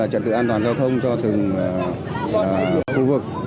trật tự an toàn giao thông cho từng khu vực